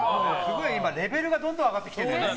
今、レベルがどんどん上がってきていてね。